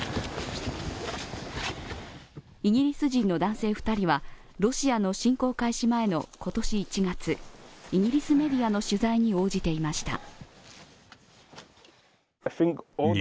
イギリス人の男性２人はロシアの侵攻開始前の今年１月イギリスメディアの取材に応じていました。